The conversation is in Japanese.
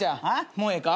もうええか？